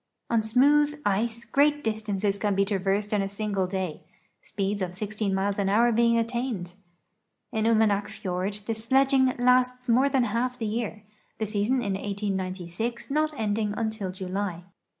On smooth ice great distances can be traversed in a single day, speeds of 16 miles an hour being attained. In Umanak fiord the sledging lasts more than half the year, the season in 1896 not ending until July.